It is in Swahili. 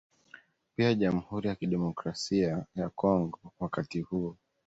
Pia Jamhuri ya Kidemokrasia ya Kongo wakati huo